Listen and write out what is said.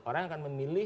orang akan memilih